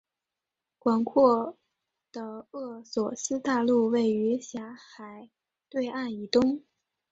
广阔的厄索斯大陆位于狭海对岸以东。